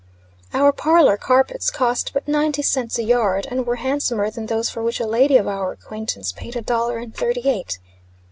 Our parlor carpets cost but ninety cents a yard, and were handsomer than those for which a lady of our acquaintance paid a dollar and thirty eight.